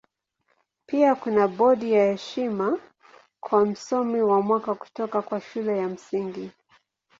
Pia kuna bodi ya heshima kwa Msomi wa Mwaka kutoka kwa Shule ya Msingi.